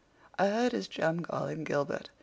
I heard his chum call him Gilbert.